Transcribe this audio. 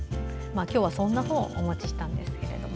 今日はそんな本をお持ちしたんですけれども。